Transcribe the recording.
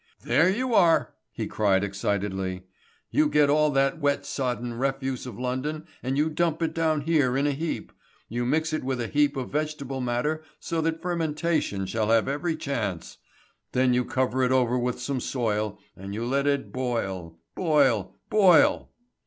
"There you are!" he cried excitedly. "You get all that wet sodden refuse of London and you dump it down here in a heap. You mix with it a heap of vegetable matter so that fermentation shall have every chance. Then you cover it over with some soil, and you let it boil, boil, boil.